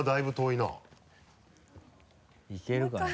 いけるかな？